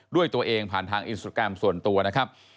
ด้วยตัวเองผ่านทางอินสตราแกรมส่วนตัวนะครับ